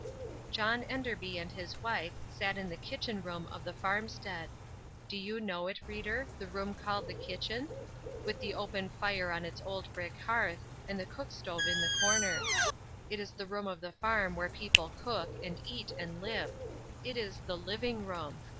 John Enderby and his wife sat in the kitchen room of the farmstead. Do you know it, reader, the room called the kitchen?—with the open fire on its old brick hearth, and the cook stove in the corner. It is the room of the farm where people cook and eat and live. It is the living room.